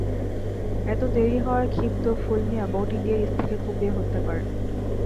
এতে দেরি হওয়ায় ক্ষিপ্ত ফুল মিয়া বঁটি দিয়ে স্ত্রীকে কুপিয়ে হত্যা করেন।